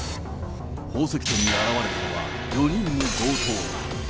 宝石店に現れたのは、４人の強盗。